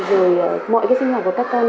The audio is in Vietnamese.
rồi mọi cái sinh hoạt của các con